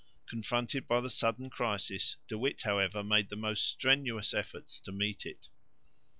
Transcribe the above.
Confronted by the sudden crisis, De Witt however made the most strenuous efforts to meet it.